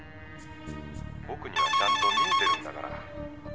「僕にはちゃんと見えてるんだから」